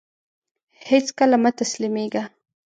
هيڅکله مه تسلميږه !